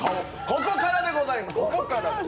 ここからでございます。